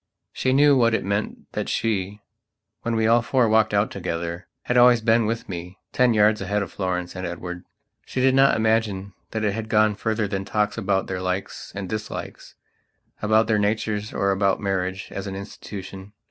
She knew what it meant that she, when we all four walked out together, had always been with me ten yards ahead of Florence and Edward. She did not imagine that it had gone further than talks about their likes and dislikes, about their natures or about marriage as an institution.